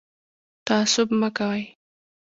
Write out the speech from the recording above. تعصب مه کوئ